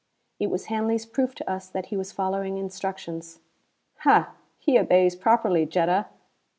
It was Hanley's proof to us that he was following instructions. "Hah! He obeys properly, Jetta!"